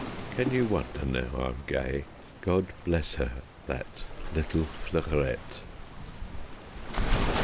Can you wonder now I am gay? God bless her, that little Fleurette!